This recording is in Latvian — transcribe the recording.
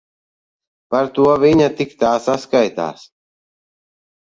Par to viņa tik tā saskaitās.